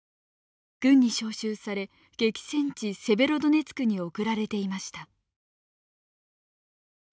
軍に招集され激戦地セベロドネツクに送られていました。